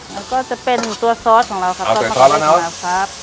แล้วก็จะเป็นตัวซอสของเราครับเอาเป็นซอสแล้วนะครับครับ